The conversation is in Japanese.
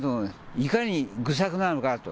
いかに愚策なのかと。